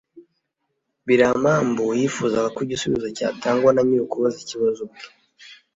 biri amambu yifuzaga ko igisubizo cyatangwa na nyir'ukubaza ikibazo ubwe: